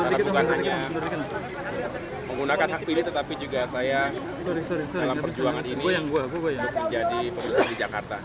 karena bukan hanya menggunakan hak pilih tetapi juga saya dalam perjuangan ini menjadi perusahaan di jakarta